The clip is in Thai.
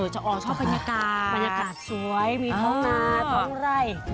จะออกชอบบรรยากาศบรรยากาศสวยมีท้องนาท้องไร่